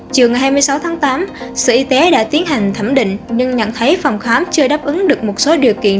trường hai mươi sáu tháng tám sở y tế đã tiến hành thẩm định nhưng nhận thấy phòng khám chưa đáp ứng được một số điều kiện